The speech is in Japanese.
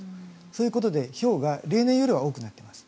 そういうことでひょうが例年よりは多くなっています。